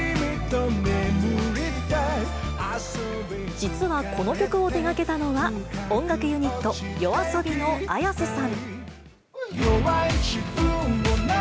実はこの曲を手掛けたのは、音楽ユニット、ＹＯＡＳＯＢＩのＡｙａｓｅさん。